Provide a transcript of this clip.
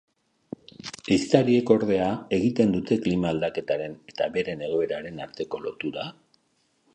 Ehiztariek ordea, egiten dute klima aldaketaren eta beren egoeraren arteko lotura?